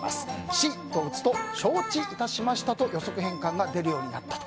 「し」と打つと承知いたしましたと予測変換が出るようになったと。